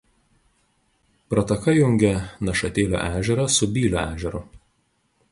Prataka jungia Nešatelio ežerą su Bylio ežeru.